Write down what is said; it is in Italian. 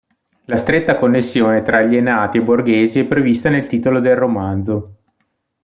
La stretta connessione tra alienati e borghesi è prevista nel titolo del romanzo.